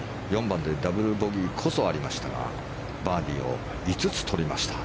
４番でダブルボギーこそありましたがバーディーを５つ取りました。